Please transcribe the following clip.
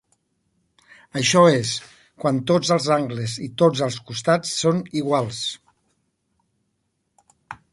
Això és, quan tots els angles i tots els costats són iguals.